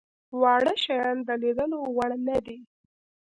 واړه شيان د ليدلو وړ نه دي.